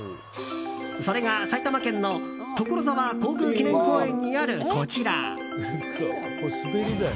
それが埼玉県の所沢航空記念公園にあるこちら。